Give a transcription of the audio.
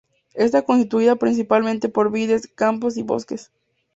Está constituida principalmente por vides, campos y bosques.